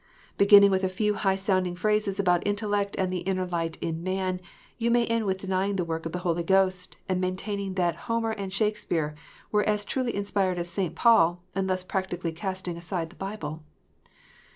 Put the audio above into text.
Beginning with a few high sounding phrases about intellect and the inner light in man, you may end with denying the work of the Holy Ghost, and maintaining that Homer and Shakespeare were as truly inspired as St. Paul, and thus practically casting aside the Bible.